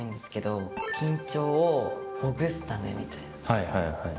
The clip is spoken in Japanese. はいはいはい。